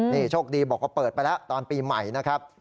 นี่โชคดีบอกว่าเปิดไปแล้วตอนปีใหม่นะครับ